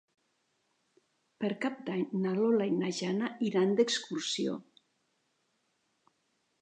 Per Cap d'Any na Lola i na Jana iran d'excursió.